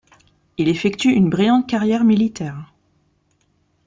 Il effectue une brillante carrière militaire.